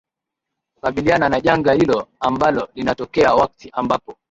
kukabiliana na janga hilo ambalo linatokea wakti ambapo